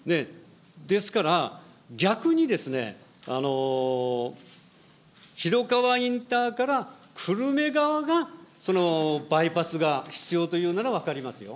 ですから、逆にですね、広川インターから久留米側が、バイパスが必要というなら分かりますよ。